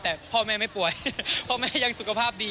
แต่พ่อแม่ไม่ป่วยพ่อแม่ยังสุขภาพดี